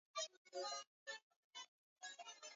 nikiripoti kutoka bujumbura hassan ruvakuki eric